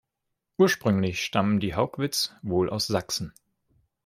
Ursprünglich stammen die Haugwitz wohl aus Sachsen.